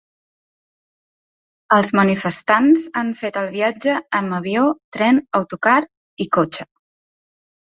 Els manifestants han fet el viatge amb avió, tren, autocar i cotxe.